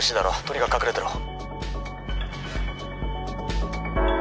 「とにかく隠れてろ」